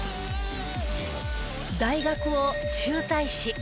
大学を中退し。